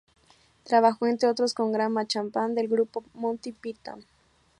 Trabajó, entre otros, con Graham Chapman, del grupo Monty Python.